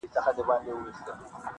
اور چي مي پر سیوري بلوي رقیب -